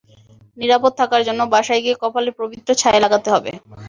নিরাপদ থাকার জন্য বাসায় গিয়ে কপালে পবিত্র ছাই লাগাতে হবে।